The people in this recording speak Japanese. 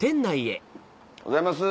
おはようございます。